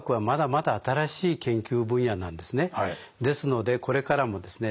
ですのでこれからもですね